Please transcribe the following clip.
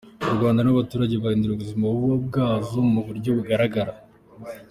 U Rwanda n’abarutuye bahinduriwe ubuzima buba bwiza mu buryo bugaragara.